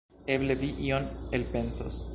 Eble, vi ion elpensos.